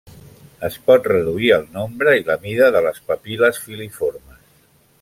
Es pot reduir el nombre i la mida de les papil·les filiformes.